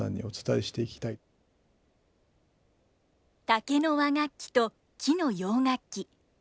竹の和楽器と木の洋楽器。